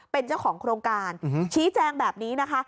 เป็นเจ้าของโครงการชี้แจงแบบนี้นะคะ